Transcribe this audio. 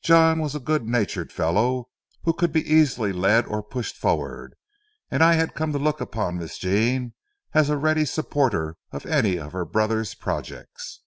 John was a good natured fellow who could be easily led or pushed forward, and I had come to look upon Miss Jean as a ready supporter of any of her brother's projects.